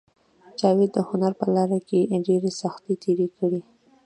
جاوید د هنر په لاره کې ډېرې سختۍ تېرې کړې